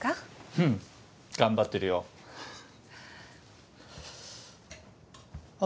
うん頑張ってるよあっ